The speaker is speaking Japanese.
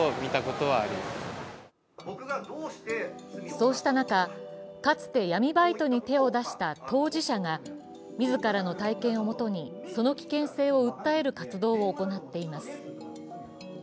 そうした中、かつて闇バイトに手を出した当事者が自らの体験をもとに、その危険性を訴える活動を行っています。